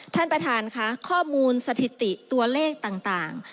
ท่านประธานค่ะข้อมูลสถิติตัวเลขต่าง